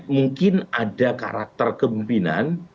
mungkin ada karakter kemimpinan